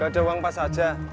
gaada uang pas aja